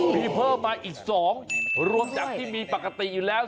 มีเพิ่มมาอีก๒รวมจากที่มีปกติอยู่แล้ว